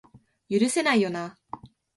許せないよな